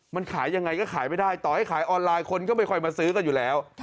มันขายยังไงก็ขายไม่ได้ต่อให้ขายออนไลน์คนก็ไม่ค่อยมาซื้อกันอยู่แล้ว